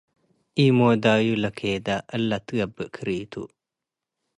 ኢሞዳዩ ለኬደ እለ ትግብእ ክሪቱ